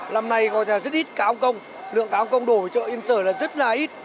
lâm nay coi thế nào rất ít cá ông công lượng cá ông công đổ ở chợ im sở là rất là ít